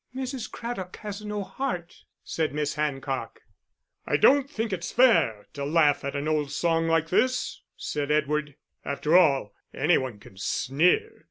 "Mrs. Craddock has no heart," said Miss Hancock. "I don't think it's fair to laugh at an old song like this," said Edward. "After all any one can sneer....